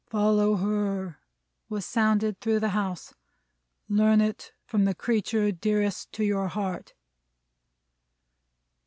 "Follow her!" was sounded through the house. "Learn it, from the creature dearest to your heart!"